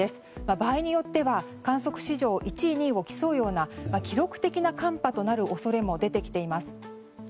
場合によっては観測史上１位２位を競うような記録的な寒波になる恐れも出てきています。